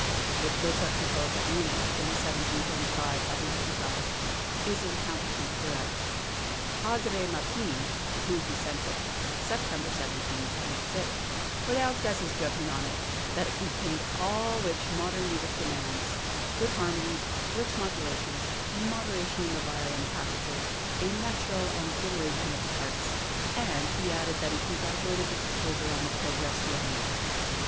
which Mozart composed at Munich in 1775 as an exercise, is in counterpoint throughout. Padre Martini, to whom he sent it (September, 1776), pronounced, as his judgment on it, that it contained all which modern music demands good harmonies, rich modulations, moderation in the violin passages, a natural and good arrangement of the parts and he added that he congratulated the composer on the progress he had made.